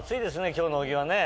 今日の小木はね。